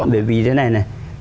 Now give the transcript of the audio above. bởi vì thế này nè